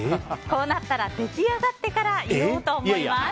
こうなったら出来上がってから言おうと思います！